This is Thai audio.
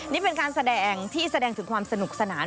นี่เป็นการแสดงที่แสดงถึงความสนุกสนาน